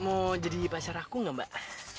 mau jadi pacar aku nggak mbak